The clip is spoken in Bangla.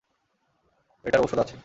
এটার ঔষধ আছে।